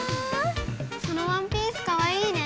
そのワンピースかわいいね。